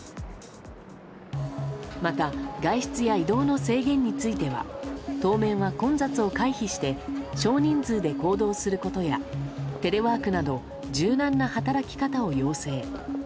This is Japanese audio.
また外出や移動の制限については当面は混雑を回避して少人数で行動することやテレワークなど柔軟な働き方を要請。